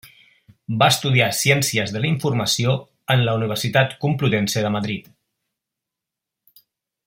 Va estudiar Ciències de la Informació en la Universitat Complutense de Madrid.